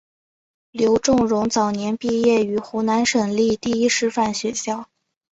刘仲容早年毕业于湖南省立第一师范学校。